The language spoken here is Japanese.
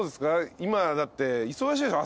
今だって忙しいでしょ。